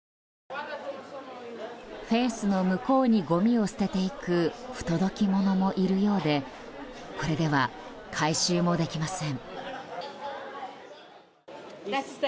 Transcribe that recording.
フェンスの向こうにごみを捨てていく不届き者もいるようでこれでは回収もできません。